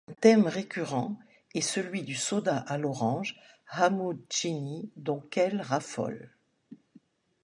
Un thème récurrent est celui du soda à l'orange, Hamoud Tchini, dont Kel raffole.